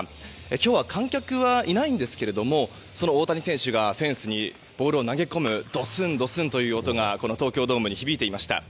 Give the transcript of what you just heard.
今日は監督はいないんですがその大谷選手がフェンスにボールを投げ込むどすんという音が東京ドームに響いていました。